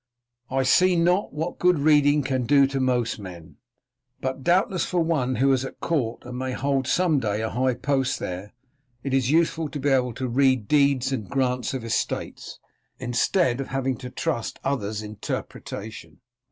I see not what good reading can do to most men, but doubtless for one who is at court and may hold some day a high post there, it is useful to be able to read deeds and grants of estates, instead of having to trust others' interpretation."